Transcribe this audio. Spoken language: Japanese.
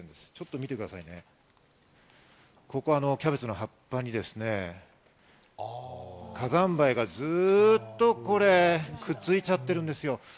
見てください、キャベツの葉っぱに火山灰がずっとくっついちゃってるんです。